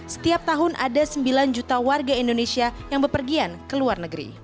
setiap tahun ada sembilan juta warga indonesia yang berpergian ke luar negeri